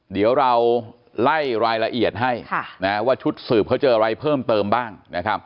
เดี๋ยวเราไล่รายละเอียดให้ว่าชุดสืบเขาเจออะไรเพิ่มเติมบ้าง